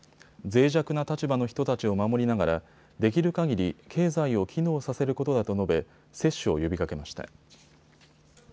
ぜい弱な立場の人たちを守りながらできるかぎり経済を機能させることだと述べ接種を呼びかけました。